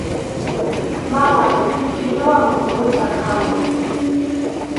Maran kiruwan mikhuyta khamuy.